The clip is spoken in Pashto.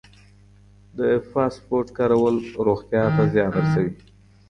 د فاسټ فوډ کارول روغتیا ته زیان رسوي.